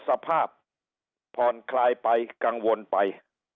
สภาพผ่อนคลายไปกังวลไป